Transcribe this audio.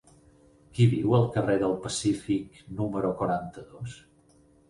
Qui viu al carrer del Pacífic número quaranta-dos?